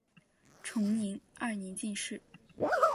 崇宁二年进士。